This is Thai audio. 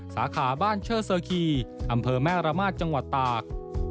สาขาบ้านเชอร์เซอร์คีอำเภอแม่ระมาทจังหวัดตาก